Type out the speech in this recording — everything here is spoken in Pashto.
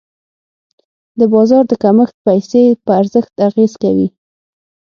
د بازار د کمښت پیسې په ارزښت اغېز کوي.